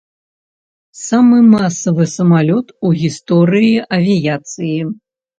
Самы масавы самалёт у гісторыі авіяцыі.